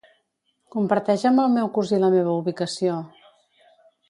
Comparteix amb el meu cosí la meva ubicació.